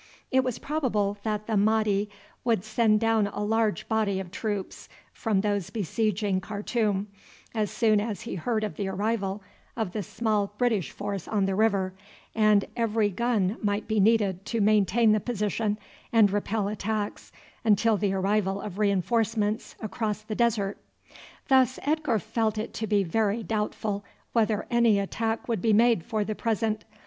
It was probable that the Mahdi would send down a large body of troops from those besieging Khartoum, as soon as he heard of the arrival of the small British force on the river, and every gun might be needed to maintain the position and repel attacks until the arrival of reinforcements across the desert. Thus Edgar felt it to be very doubtful whether any attack would be made for the present.